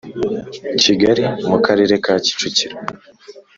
Kigali mu karere ka kicukiro